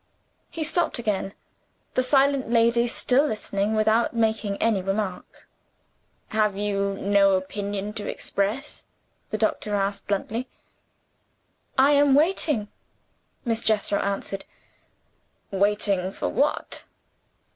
He stopped again, the silent lady still listening without making any remark. "Have you no opinion to express?" the doctor asked bluntly. "I am waiting," Miss Jethro answered. "Waiting for what?"